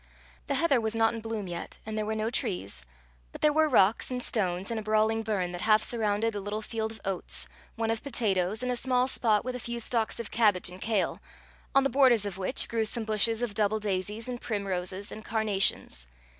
The heather was not in bloom yet, and there were no trees; but there were rocks, and stones, and a brawling burn that half surrounded a little field of oats, one of potatoes, and a small spot with a few stocks of cabbage and kail, on the borders of which grew some bushes of double daisies, and primroses, and carnations.